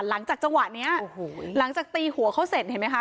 หลังจากจังหวะเนี้ยโอ้โหหลังจากตีหัวเขาเสร็จเห็นไหมคะ